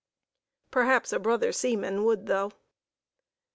Perhaps a brother seaman would though.